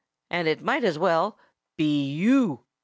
And it might as well be you."